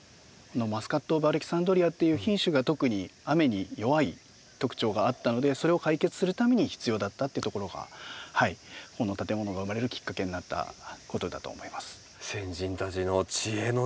マスカットオブアレキサンドリアっていう品種が特に雨に弱い特徴があったのでそれを解決するために必要だったっていうところがこの建物が生まれるきっかけになったことだと思います。